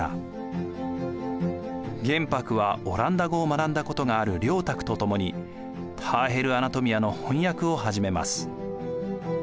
玄白はオランダ語を学んだことがある良沢とともに「ターヘル・アナトミア」の翻訳を始めます。